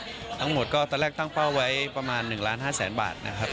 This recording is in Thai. ทั้งหมดก็ตั้งแรกตั้งเป้าไว้ประมาณ๑๕๐๐๐๐๐บาทนะครับ